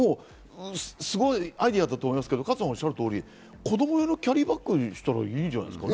すごいアイデアだと思いますけど、加藤さんがおっしゃる通り、子供用のキャリーバッグにしたらいいじゃないですか。